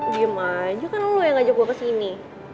diam aja kan lo yang ngajak gue kesini